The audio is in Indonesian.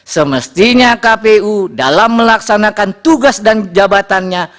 semestinya kpu dalam melaksanakan tugas dan jabatannya